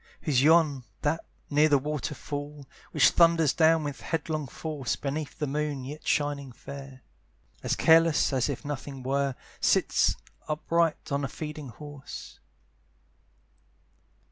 Who's yon, that, near the waterfall, Which thunders down with headlong force, Beneath the moon, yet shining fair, As careless as if nothing were, Sits upright on a feeding horse?